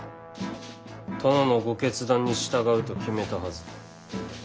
殿のご決断に従うと決めたはず。